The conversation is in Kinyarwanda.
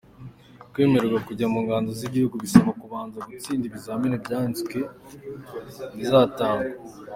Kwemererwa kujya mu ngabo z’igihugu bisaba kubanza gutsinda ibizamini byanditse bizatangwa.